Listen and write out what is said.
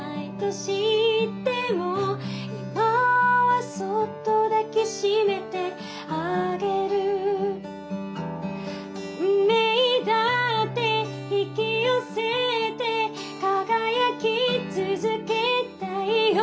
「いまはそっと抱きしめてあげる」「運命だって引き寄せて輝き続けたいよ」